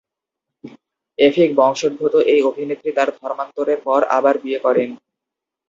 এফিক-বংশোদ্ভূত এই অভিনেত্রী, তার ধর্মান্তরের পর আবার বিয়ে করেন।